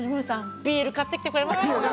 ビール買ってきてくれますか？